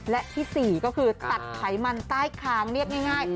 และที่๔ก็คือตัดไขมันใต้คางเรียกง่าย